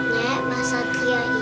nek mas satria ini